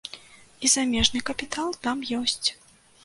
І замежны капітал там ёсць.